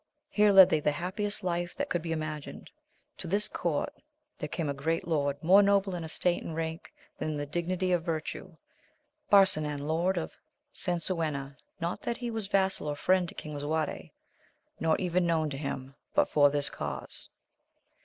Here led they the happiest life that could he imagined. To this court lYiet^ c^xcl*^ ^ ^<^a^\vs^ 170 AMADIS OF GAUL. more noble in estate and rank than in the dignity of virtue, Barsinan, lord of Sansuena ; not that he was vassal or friend to king Lisuarte, nor even known to him, but for this cause.